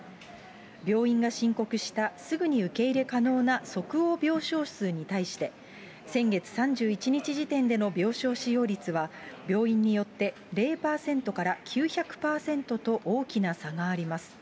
病院が申告したすぐに受け入れ可能な即応病床数に対して、先月３１日時点での病床使用率は、病院によって０％から９００％と大きな差があります。